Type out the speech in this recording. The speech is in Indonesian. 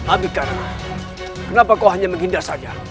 abikana kenapa kau hanya menghindar saja